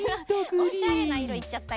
おしゃれないろいっちゃったよ。